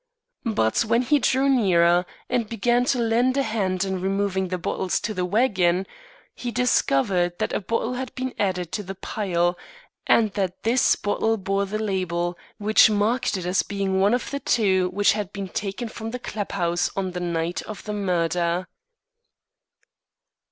But when he drew nearer and began to lend a hand in removing the bottles to the waggon, he discovered that a bottle had been added to the pile, and that this bottle bore the label which marked it as being one of the two which had been taken from the club house on the night of the murder.